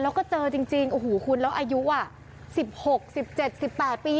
แล้วก็เจอจริงโอ้โหคุณแล้วอายุ๑๖๑๗๑๘ปี